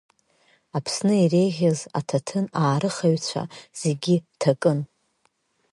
Аԥсны иреиӷьыз аҭаҭын-аарыхыҩцәа зегьы ҭакын.